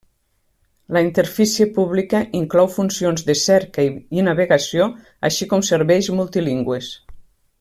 La interfície pública inclou funcions de cerca i navegació, així com serveis multilingües.